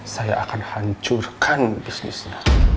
saya akan hancurkan bisnisnya